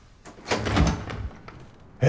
え！